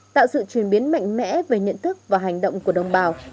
tạo sự chuyển biến mạnh mẽ về nhận thức và hành động của đồng bào